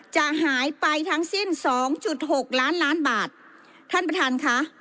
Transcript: จะหายไปทั้งสิ้นสองจุดหกล้านล้านบาทท่านประธานค่ะ